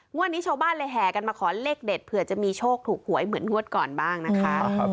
วันนี้ชาวบ้านเลยแห่กันมาขอเลขเด็ดเผื่อจะมีโชคถูกหวยเหมือนงวดก่อนบ้างนะคะ